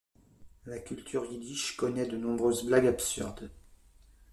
La culture Yiddish connaît de nombreuses blagues absurdes.